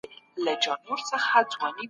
د نورو علومو په مرسته څېړنه بشپړیږي.